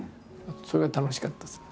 それが楽しかったですね。